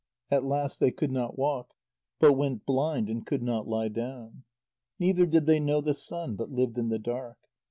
At last they could not walk, but went blind, and could not lie down. Neither did they know the sun, but lived in the dark.